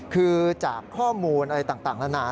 คือจากข้อมูลอะไรต่างนานา